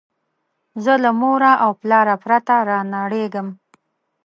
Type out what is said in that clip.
زه له موره او پلاره پرته رانړېږم